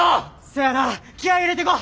そやな気合い入れてこ！